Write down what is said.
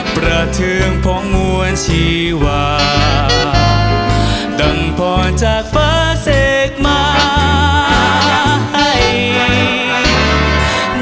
ประเทิงเพราะงวลชีวาดั่งพรจากเฟ้อเสกไม้